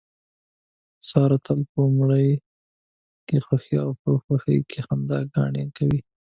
ساره تل په مړي کې خوښي او په خوښۍ کې خندا ګانې کوي.